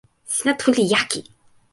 sina tu li jaki!